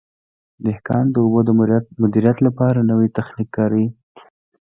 دهقان د اوبو د مدیریت لپاره نوی تخنیک کاروي.